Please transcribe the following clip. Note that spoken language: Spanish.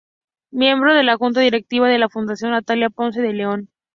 Miembro de la junta directiva de la fundación Natalia Ponce De León.